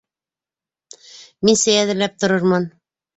Мин сәй әҙерләп торормон.